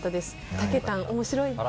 たけたん面白い。